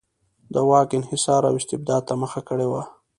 د واک انحصار او استبداد ته مخه کړې وه.